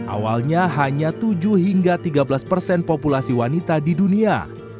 awalnya hanya tujuh hingga tiga belas persen populasi wanita di dunia